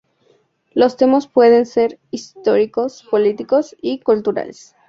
Los temas pueden ser históricos, políticos y culturales.